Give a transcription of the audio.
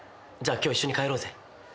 じゃあ今日一緒に帰ろうぜ。